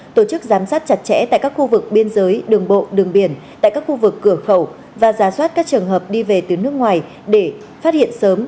tổ chức giám sát chặt chẽ tại các khu vực biên giới đường bộ đường biển tại các khu vực cửa khẩu và giả soát các trường hợp đi về từ nước ngoài để phát hiện sớm